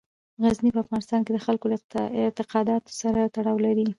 غزني په افغانستان کې د خلکو له اعتقاداتو سره تړاو لري.